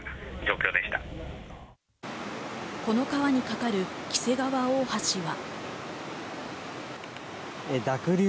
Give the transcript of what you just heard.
この川に架かる黄瀬川大橋は。